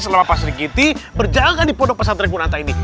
selama pak sergiti berjalan di podok pesantren kunanta ini